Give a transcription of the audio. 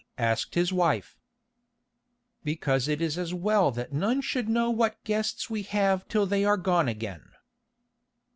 asked his wife. "Because it is as well that none should know what guests we have till they are gone again."